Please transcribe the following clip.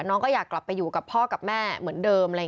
น้องก็อยากกลับไปอยู่กับพ่อกับแม่เหมือนเดิม